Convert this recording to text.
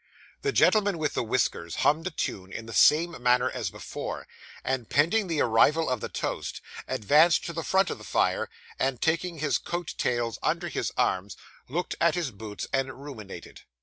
The gentleman with the whiskers hummed a tune in the same manner as before, and pending the arrival of the toast, advanced to the front of the fire, and, taking his coat tails under his arms, looked at his boots and ruminated.